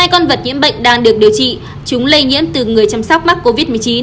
hai con vật nhiễm bệnh đang được điều trị chúng lây nhiễm từ người chăm sóc mắc covid một mươi chín